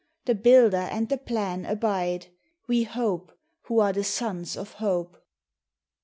The Builder and the Plan abide. We hope, who are the sons of Hope.